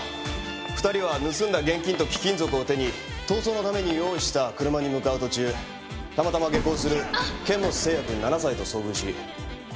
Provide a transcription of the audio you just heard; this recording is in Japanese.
２人は盗んだ現金と貴金属を手に逃走のために用意した車に向かう途中たまたま下校する堅物星也くん７歳と遭遇し。